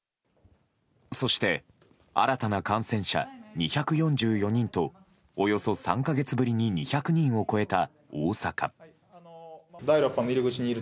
そして、新たな感染者２４４人とおよそ３か月ぶりに２００人を超えた大阪。